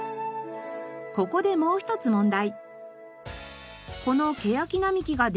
ここでもう一つ問題。